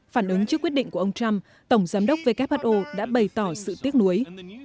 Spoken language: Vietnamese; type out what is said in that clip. phản ứng trước quyết định của ông trump tổng giám đốc who đã bày tỏ sự tiếc nuối